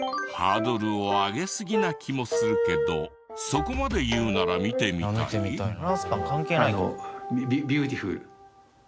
ハードルを上げすぎな気もするけどそこまで言うなら見てみたい。